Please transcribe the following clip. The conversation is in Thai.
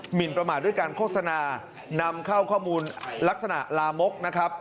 หินประมาทด้วยการโฆษณานำเข้าข้อมูลลักษณะลามกนะครับ